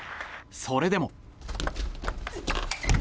それでも。